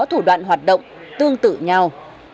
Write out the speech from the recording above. các thủ đoạn hoạt động tương tự nhau